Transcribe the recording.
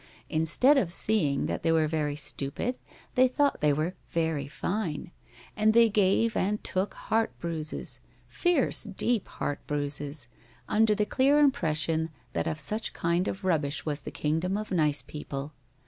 Instead of seeing that they were very stupid, they thought they were very fine. And they gave and took heart bruises fierce, deep heart bruises under the clear impression that of such kind of rubbish was the kingdom of nice people.